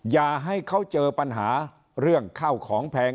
อย่าให้เขาเจอปัญหาเรื่องข้าวของแพง